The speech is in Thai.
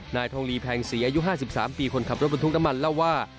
นายทองลีแพงศรีอายุ๕๓ปีคนขับรถบรรทุกน้ำมันเล่าว่า